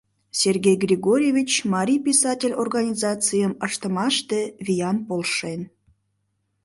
Сергей Григорьевич марий писатель организацийым ыштымаште виян полшен.